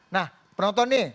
nah penonton nih